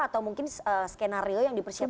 atau mungkin skenario yang dipersiapkan